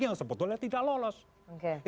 yang sebetulnya tidak lolos